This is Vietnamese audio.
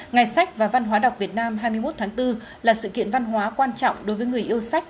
ngày sách và văn hóa đọc việt nam hai mươi một tháng bốn là sự kiện văn hóa quan trọng đối với người yêu sách